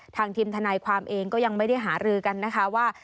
ทีมทนายความเองก็ยังไม่ได้หารือกันนะคะว่า